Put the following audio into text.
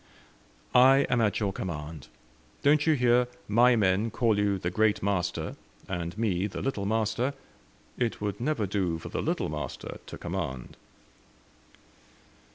"I am at your command. Don't you hear my men call you the 'Great Master,' and me the 'Little Master?' It would never do for the 'Little Master' to command."